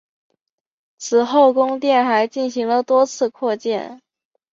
此后宫殿还进行了多次扩建。